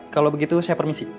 kalau begitu saya permisi